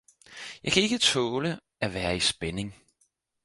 jeg kan ikke taale at være i Spænding!